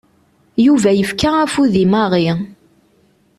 Yuba yefka afud i Mary.